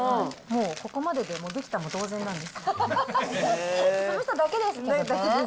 もうここまででもう出来たも同然なんです。だけです。